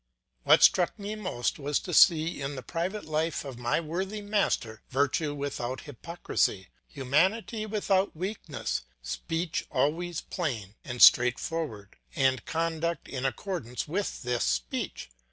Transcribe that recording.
What struck me most was to see in the private life of my worthy master, virtue without hypocrisy, humanity without weakness, speech always plain and straightforward, and conduct in accordance with this speech.